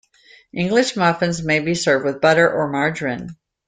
English muffins may be served with butter or margarine.